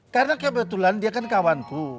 karena kebetulan dia kan kawanku